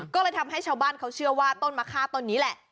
ก็เลยทำให้ชาวบ้านเขาเชื่อว่าต้นมะค่าต้นนี้แหละ